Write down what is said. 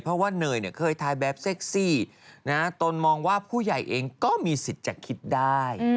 เพราะว่าเนยเคยถ่ายแบบเซ็กซี่ตนมองว่าผู้ใหญ่เองก็มีสิทธิ์จะคิดได้